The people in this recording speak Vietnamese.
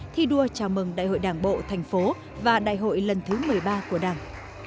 thi đua chào mừng đại hội đảng bộ thành phố và đại hội lần thứ một mươi ba của đảng